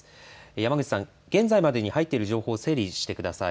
山口さん、現在までに入っている情報を整理してください。